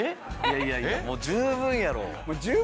いやいやもう十分やろ。